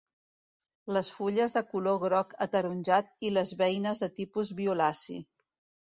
Les fulles de color groc ataronjat i les beines de tipus violaci.